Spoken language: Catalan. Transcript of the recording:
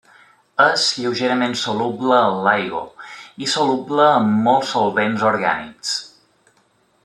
És lleugerament soluble en l'aigua, i soluble en molts solvents orgànics.